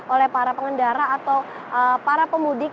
oleh para pengendara atau para pemudik